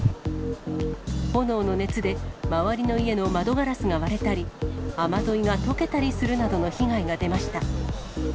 炎の熱で周りの家の窓ガラスが割れたり、雨どいが溶けたりするなどの被害が出ました。